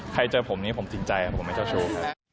ใครเจอผมนี่ผมสินใจครับผมไม่เจ้าชู้